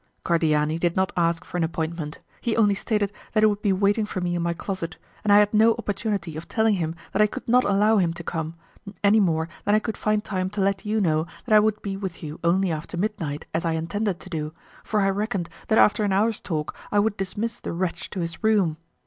Cordiani did not ask for an appointment; he only stated that he would be waiting for me in my closet, and I had no opportunity of telling him that I could not allow him to come, any more than I could find time to let you know that I would be with you only after midnight, as I intended to do, for I reckoned that after an hour's talk I would dismiss the wretch to his room.